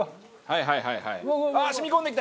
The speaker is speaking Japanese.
はいはいはいはい。